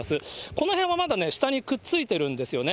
この辺はまだね、下にくっついてるんですよね。